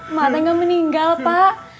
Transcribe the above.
emak tinggal meninggal pak